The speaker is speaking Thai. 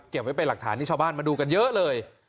ไว้เป็นหลักฐานที่ชาวบ้านมาดูกันเยอะเลย